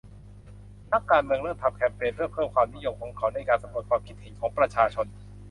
นักการเมืองเริ่มทำแคมเปญเพื่อเพิ่มความนิยมของเขาในการสำรวจความคิดเห็นของประชาชน